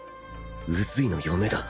宇髄の嫁だ